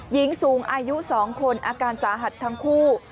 หญิงสูงอายุ๒คนอาการสาหัสทั้งคู่